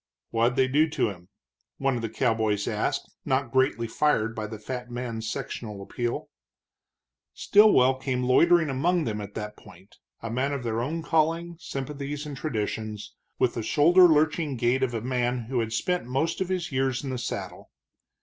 "What did they do to him?" one of the cowboys asked, not greatly fired by the fat man's sectional appeal. Stilwell came loitering among them at that point, a man of their own calling, sympathies, and traditions, with the shoulder lurching gait of a man who had spent most of his years in the saddle.